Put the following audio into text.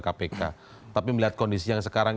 kpk tapi melihat kondisi yang sekarang